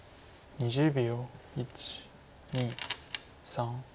２０秒。